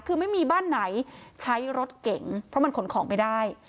คือไม่มีบ้านไหนใช้รถเก่งเพราะมันขนของไม่ได้